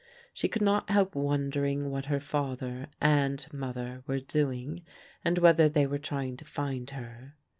She could not help wondering what her father and mother were doing, and whether they were trying to find her.